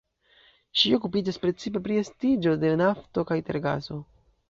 Ŝi okupiĝas precipe pri estiĝo de nafto kaj tergaso.